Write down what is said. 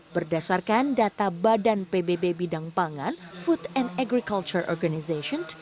berdasarkan data badan pbb bidang pangan food and agriculture organization